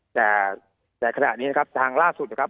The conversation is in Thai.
แต่แต่ขณะนี้นะครับทางล่าสุดนะครับ